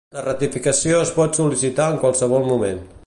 La ratificació es pot sol·licitar en qualsevol moment.